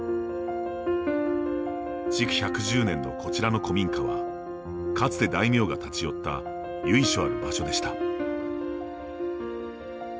築１１０年のこちらの古民家はかつて大名が立ち寄った由緒ある場所でした。